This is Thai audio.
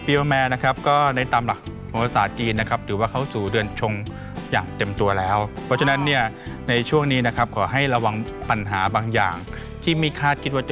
ประมาทไม่ยากเนอะใช่ทุกเรื่องเลยต้องใส่ใจรายละเอียดด้วย